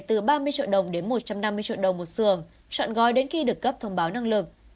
từ ba mươi triệu đồng đến một trăm năm mươi triệu đồng một dường chọn gói đến khi được cấp thông báo năng lực